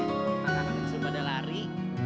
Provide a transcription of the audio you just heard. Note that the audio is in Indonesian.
pakatan itu sudah pada lari